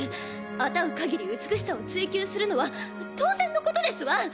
あたう限り美しさを追求するのは当然のことですわ！